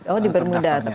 oh di bermuda